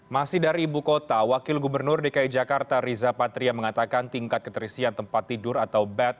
masih dari ibu kota wakil gubernur dki jakarta riza patria mengatakan tingkat keterisian tempat tidur atau bed